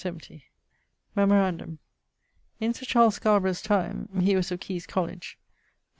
Memorandum: in Sir Charles Scarborough's time (he was of Caius College) Dr.